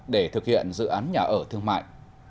để thực hiện dự án nhà ở thương mại